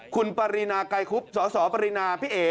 คุณปรินาไกรคุบสสปรินาพี่เอ๋